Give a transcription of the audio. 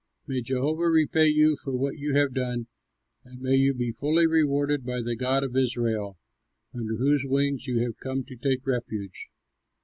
May Jehovah repay you for what you have done, and may you be fully rewarded by the God of Israel, under whose wings you have come to take refuge."